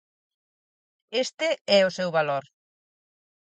Este é o seu valor.